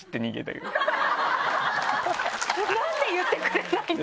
なんで言ってくれないの？